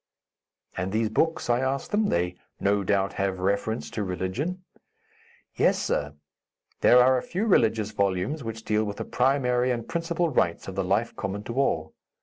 "And those books?" I asked them; "they, no doubt, have reference to religion." "Yes, sir. These are a few religious volumes which deal with the primary and principal rites of the life common to all.